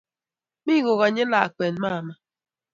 Mi koganyi lakwet mama